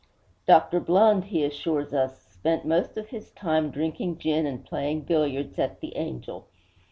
Dr. Blund, he assures us, spent most of his time drinking gin and playing billiards at 'The Angel.'